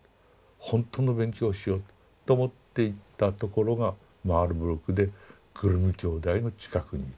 ほんとの勉強をしようと思って行ったところがマールブルクでグリム兄弟の近くにいた。